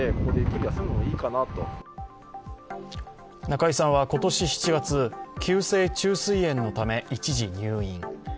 中居さんは今年７月、急性虫垂炎のため一時入院。